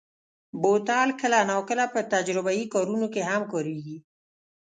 بوتل کله ناکله په تجربهيي کارونو کې هم کارېږي.